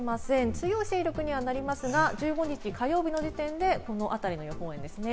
強い勢力にはなりますが、１５日火曜日の時点で、このあたりの予報円ですね。